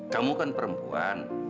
kamu kan perempuan